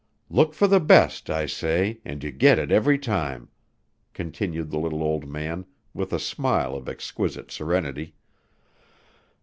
Look for the best, I say, an' you get it every time," continued the little old man, with a smile of exquisite serenity.